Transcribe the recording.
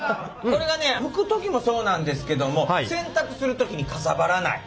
これがね拭く時もそうなんですけども洗濯する時にかさばらない。